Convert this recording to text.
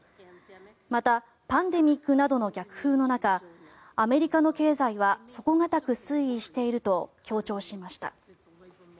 またパンデミックなどの逆風の中アメリカの経済は底堅く推移していると強調しました。